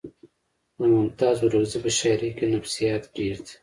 د ممتاز اورکزي په شاعرۍ کې نفسیات ډېر دي